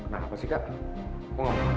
nah apa sih kak